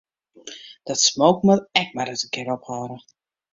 Dat smoken moat ek mar ris in kear ophâlde.